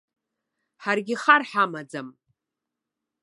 Ҳаргьы хар ҳамаӡам.